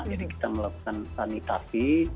jadi kita melakukan sanitasi